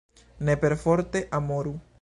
Ne perforte amoru!